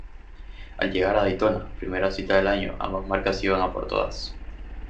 Al llegar a Daytona, primera cita del año, ambas marcas iban a por todas.